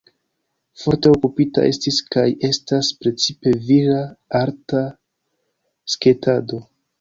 Forte okupita estis kaj estas precipe vira arta sketado.